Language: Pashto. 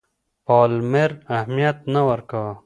پالمر اهمیت نه ورکاوه.